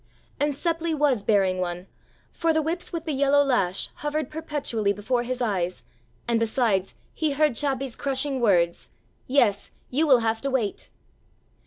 And Seppli was bearing one, for the whips with the yellow lash hovered perpetually before his eyes, and besides he heard Chappi's crushing words: "Yes, you will have to wait!"